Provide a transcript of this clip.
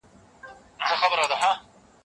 خپل تېر به هېروئ او په راتلونکي به تمرکز کوئ.